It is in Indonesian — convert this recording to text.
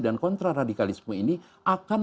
dan kontraradikalisme ini akan